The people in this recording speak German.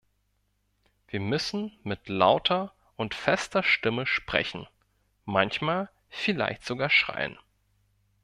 Wir müssen mit lauter und fester Stimme sprechen, manchmal vielleicht sogar schreien.